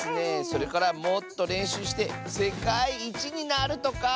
それからもっとれんしゅうしてせかいいちになるとか！